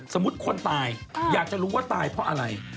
คนตายอยากจะรู้ว่าตายเพราะอะไร